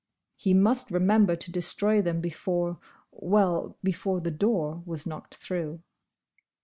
He must remember to destroy them before—well, before the door was knocked through.